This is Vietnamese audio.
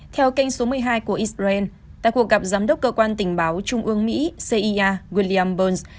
theo kênh số một mươi hai của israel tại cuộc gặp giám đốc cơ quan tình báo trung ương mỹ cia williamburns